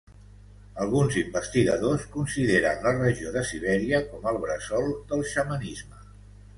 Alguns investigadors consideren la regió de Sibèria com el bressol del xamanisme.